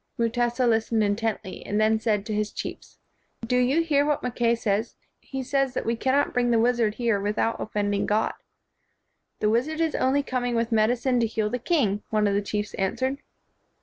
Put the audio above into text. Mutesa listened intently, and then said to his chiefs, "Do you hear what Mackay says? He says that we cannot bring the wizard here without offending God." 1 ' The wizard is only coming with medicine to heal the king," one of the chiefs an swered.